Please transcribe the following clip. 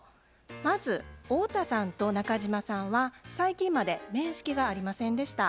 まず太田さんと中島さんは最近まで面識がありませんでした。